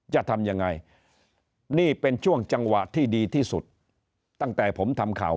จะทำยังไงนี่เป็นช่วงจังหวะที่ดีที่สุดตั้งแต่ผมทำข่าว